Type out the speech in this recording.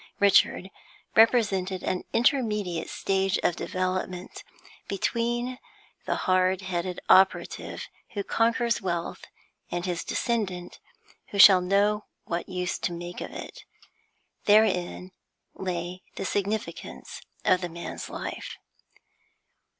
Richard represented an intermediate stage of development between the hard headed operative who conquers wealth, and his descendant who shall know what use to make of it. Therein lay the significance of the man's life.